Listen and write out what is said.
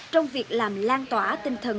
trong việc làm lan tỏa tinh thần